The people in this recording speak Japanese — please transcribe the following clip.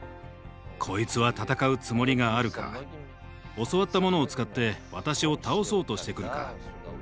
こいつは戦うつもりがあるか教わったものを使って私を倒そうとしてくるか。